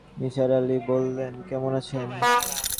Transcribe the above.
নিসার আলি বললেন, কেমন আছেন?